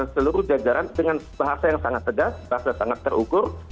seluruh jajaran dengan bahasa yang sangat tegas bahasa sangat terukur